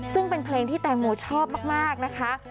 ซึ่งเป็นเพลงที่แตงโมชอบมากนะคะ